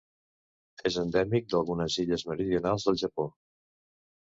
És endèmic d'algunes illes meridionals del Japó.